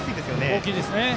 大きいですね